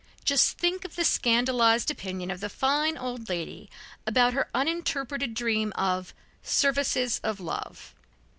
Just think of the scandalized opinion of the fine old lady about her uninterpreted dream of "services of love."